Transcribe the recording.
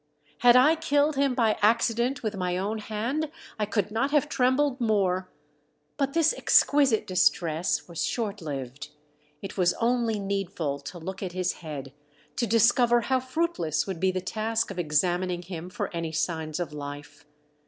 Had I killed him by accident with my own hand I could not have trembled more. But this exquisite distress was short lived. It was 56 THE DEATH SHIP. only needful to look at his head to discover how fruitless would be the task of examining him for anv sio ns of life.